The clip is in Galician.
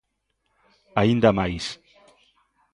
Aínda máis.